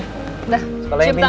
sekolah yang pintar ya